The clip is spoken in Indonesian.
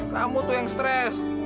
kamu tuh yang stres